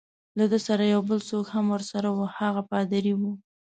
له ده سره یو بل څوک هم ورسره وو، هغه پادري وو.